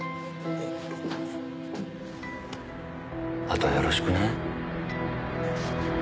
あとよろしくね。